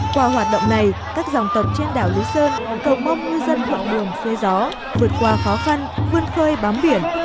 qua hoạt động này các dòng tập trên đảo lý sơn cầu mong ngư dân vận đường phê gió vượt qua khó khăn vươn khơi bám biển